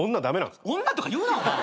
「女」とか言うなお前。